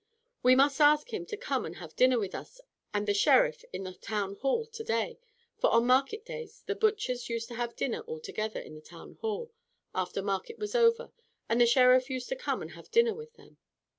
We must ask him to come and have dinner with us and the Sheriff in the town hall to day." For on market days the butchers used to have dinner all together in the town hall, after market was over, and the sheriff used to come and have dinner with them.